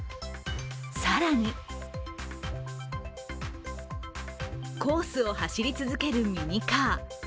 更に、コースを走り続けるミニカー。